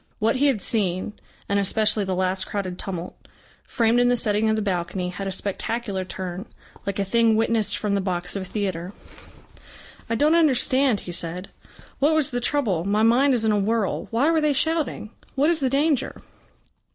What he had seen, and especially the last crowded tumult, framed in the setting of the balcony, had a spectacular turn, like a thing witnessed from the box of a theatre. "I don't understand," he said. "What was the trouble? My mind is in a whirl. Why were they shouting? What is the danger?"